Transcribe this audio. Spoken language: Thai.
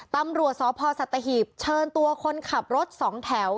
ตำรวจสพสัตหีบเชิญตัวคนขับรถสองแถว